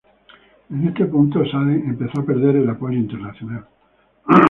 En este punto, Saleh empezó a perder el apoyo internacional.